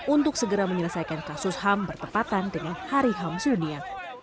untuk segera menyelesaikan kasus ham bertepatan dengan hari ham sedunia